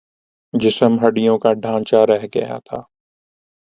جسم ہڈیوں کا ڈھانچا رہ گیا تھا